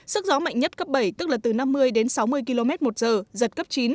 sức gió mạnh nhất cấp bảy tức là từ năm mươi đến sáu mươi km một giờ giật cấp chín